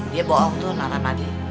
dia bohong tuh naramadi